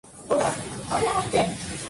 Samus va a la pista y la despeja.